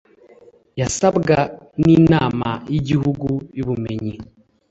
yasabwa n Inama y Igihugu y Ubumenyi